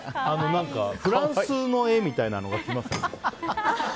フランスの絵みたいなのが来ますね。